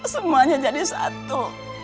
semuanya jadi satu